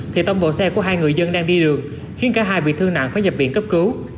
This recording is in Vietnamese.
thì tông vào xe của hai người dân đang đi đường khiến cả hai bị thương nặng phải nhập viện cấp cứu